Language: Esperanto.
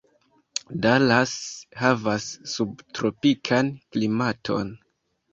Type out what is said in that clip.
Dallas havas subtropikan klimaton.